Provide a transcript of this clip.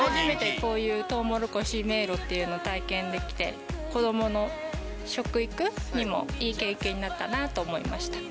初めてこういうとうもろこし迷路っていうのを体験できて、子どもの食育にもいい経験になったなと思いました。